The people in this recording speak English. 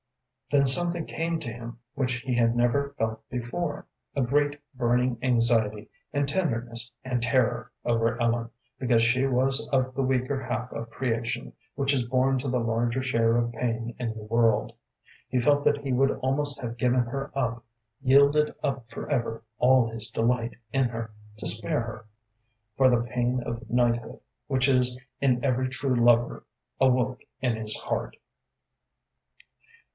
Then something came to him which he had never felt before a great, burning anxiety and tenderness and terror over Ellen, because she was of the weaker half of creation, which is born to the larger share of pain in the world. He felt that he would almost have given her up, yielded up forever all his delight in her, to spare her; for the pain of knighthood, which is in every true lover, awoke in his heart.